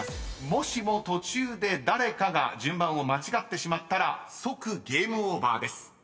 ［もしも途中で誰かが順番を間違ってしまったら即ゲームオーバーです］